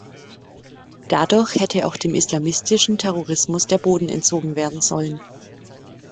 Dadurch hätte auch dem islamistischen Terrorismus der Boden entzogen werden sollen.